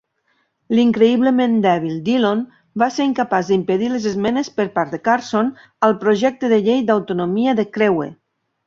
L'"increïblement dèbil" Dillon va ser incapaç d'impedir les esmenes per part de Carson al projecte de llei d'Autonomia de Crewe.